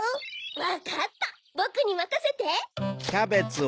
わかったぼくにまかせて！